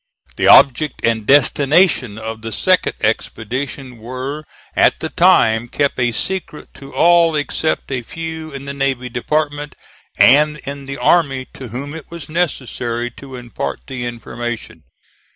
The object and destination of the second expedition were at the time kept a secret to all except a few in the Navy Department and in the army to whom it was necessary to impart the information.